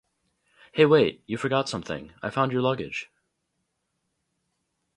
Hey, wait! You forgot something? I found your luggage!